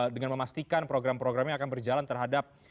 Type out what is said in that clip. dengan memastikan program programnya akan berjalan terhadap